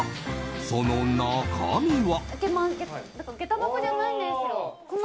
その中身は。